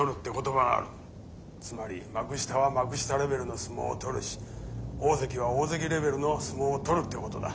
つまり幕下は幕下レベルの相撲を取るし大関は大関レベルの相撲を取るってことだ。